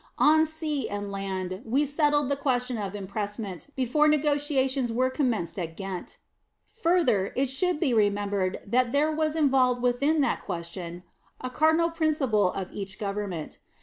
On sea and land we settled the question of impressment before negotiations were commenced at Ghent. Further, it should be remembered that there was involved within that question a cardinal principle of each Government.